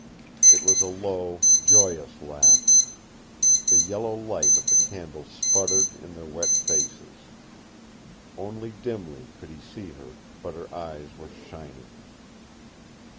It was a low, joyous laugh. The yellow light of the candle sputtered in their wet faces. Only dimly could he see her, but her eyes were shining.